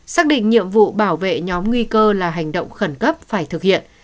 xác định nhiệm vụ bảo vệ nhóm nguy cơ là hành động khẩn cấp phải thực hiện